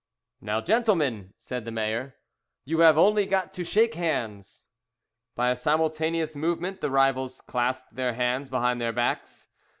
"Now, gentlemen," said the mayor, "you have only got to shake hands." By a simultaneous movement the rivals clasped their hands behind their backs.